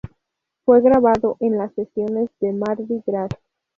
Fue grabado en las sesiones de Mardi Gras.